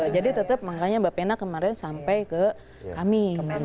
jadi tetap makanya mbak fena kemarin sampai ke kami